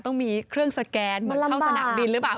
ต้องมีเครื่องสแกนเหมือนเข้าสนามบินหรือเปล่า